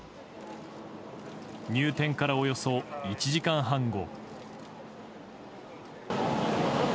入店からおよそ１時間半後。